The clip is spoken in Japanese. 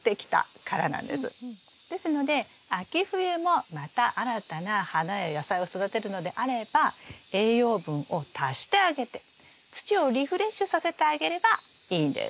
ですので秋冬もまた新たな花や野菜を育てるのであれば栄養分を足してあげて土をリフレッシュさせてあげればいいんです。